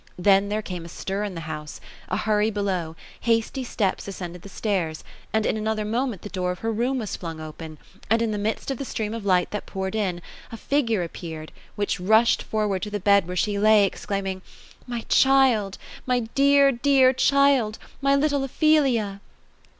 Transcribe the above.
Then there came a stir in the house ; a hurry below ; hasty steps ascended the stairs ; and in another moment the door of her room was flung open, and in the midst of the stream of light that poured in, a figure appeared, which rushed forward to the bed where she lay, exclaiming, *' My child ! my dear, dear child ! My little Ophelia